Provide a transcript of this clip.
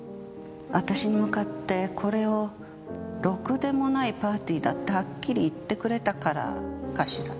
私に向かってこれをろくでもないパーティーだってはっきり言ってくれたからかしら。